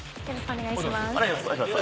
お願いします。